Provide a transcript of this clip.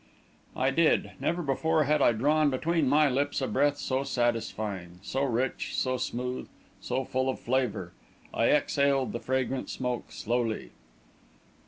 I did. Never before had I drawn between my lips a breath so satisfying so rich, so smooth, so full of flavour. I exhaled the fragrant smoke slowly.